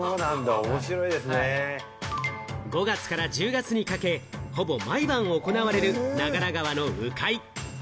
５月から１０月にかけ、ほぼ毎晩行われる長良川の鵜飼。